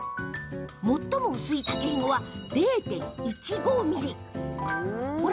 最も薄い竹ひごは０．１５ｍｍ。